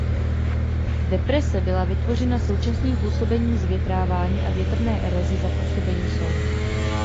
Deprese byla vytvořena současným působením zvětrávání a větrné eroze za působení soli.